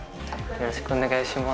よろしくお願いします